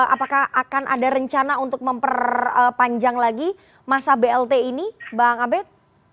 apakah akan ada rencana untuk memperpanjang lagi masa blt ini bang abed